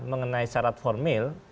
mengenai syarat formil